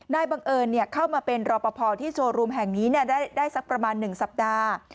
บังเอิญเข้ามาเป็นรอปภที่โชว์รูมแห่งนี้ได้สักประมาณ๑สัปดาห์